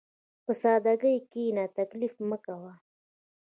په سادهګۍ کښېنه، تکلف مه کوه.